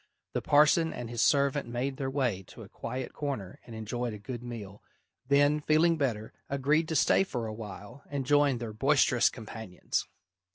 The parson and his servant made their way to a quiet corner and enjoyed a good meal, then, feeling better, agreed to stay for a while and join their boisterous companions.